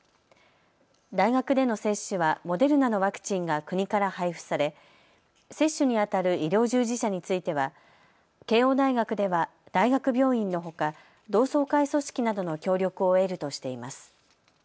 大学での接種はモデルナのワクチンが国から配付され接種にあたる医療従事者については慶応大学では大学病院のほか同窓会組織などの協力を得るとしています。